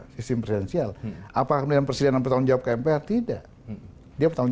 sistem presidensial apakah menang persilihan bertanggung jawab ke mpr tidak dia bertanggung